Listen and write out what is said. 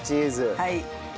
はい。